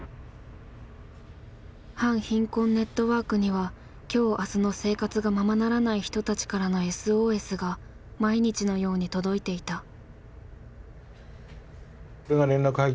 反貧困ネットワークには今日明日の生活がままならない人たちからのＳＯＳが毎日のように届いていた。